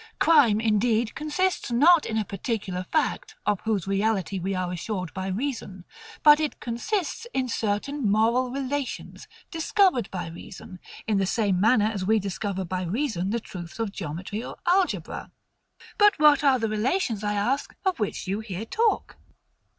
Crime, indeed, consists not in a particular FACT, of whose reality we are assured by reason; but it consists in certain MORAL RELATIONS, discovered by reason, in the same manner as we discover by reason the truths of geometry or algebra. But what are the relations, I ask, of which you here talk?